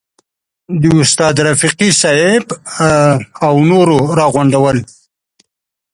استاد رفیقي صاحب او نور راغونډ ول.